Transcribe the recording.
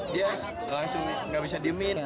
dia langsung tidak bisa diamin